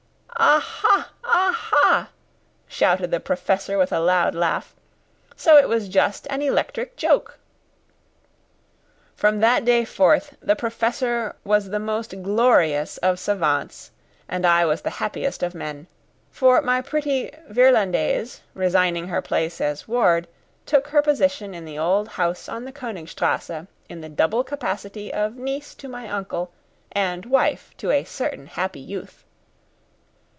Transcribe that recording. "Aha! aha!" shouted the Professor with a loud laugh. "So it was just an electric joke!" From that day forth the Professor was the most glorious of savants, and I was the happiest of men; for my pretty Virlandaise, resigning her place as ward, took her position in the old house on the Königstrasse in the double capacity of niece to my uncle and wife to a certain happy youth.